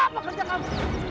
apa kerja kamu